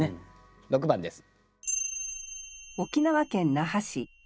６番です。